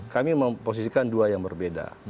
kami memposisikan dua yang berbeda